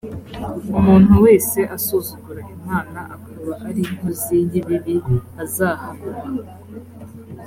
umuntu wese asuzugura imana akaba ari inkozi y ibibi azahanwa